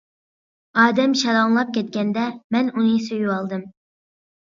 ئادەم شالاڭلاپ كەتكەندە مەن ئۇنى سۆيۈۋالدىم.